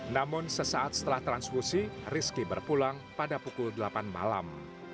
namun sesaat setelah transkusi rizky berpulang pada pukul delapan malam